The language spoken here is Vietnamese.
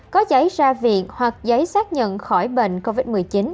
có giấy ra viện hoặc giấy xác nhận khỏi bệnh covid một mươi chín